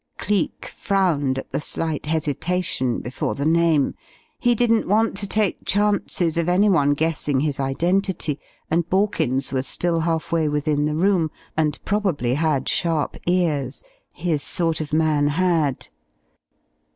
Cleek frowned at the slight hesitation before the name. He didn't want to take chances of any one guessing his identity and Borkins was still half way within the room, and probably had sharp ears. His sort of man had!